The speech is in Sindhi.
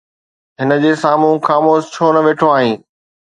هن جي سامهون خاموش ڇو نه ويٺو آهين؟